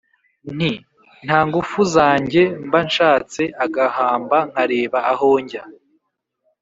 Nti: nta ngufu zanjyeMba nshatse agahambaNkareba aho najya